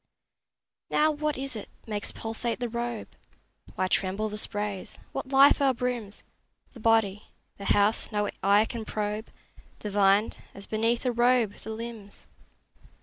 Now, what is it makes pulsate the robe? Why tremble the sprays? What life o'erbrims 10 The body, the house no eye can probe, Divined, as beneath a robe, the limbs?